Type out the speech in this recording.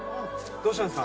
どうしたんですか？